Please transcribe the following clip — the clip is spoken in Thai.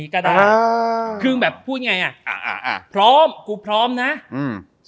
กระดาษอ่าคือแบบพูดไงอ่ะอ่าอ่าอ่าอ่าพร้อมกูพร้อมนะอืม